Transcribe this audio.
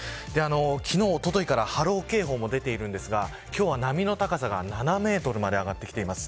昨日、おとといから波浪警報も出ているんですが今日は波が高さが７メートルまで上がってきています。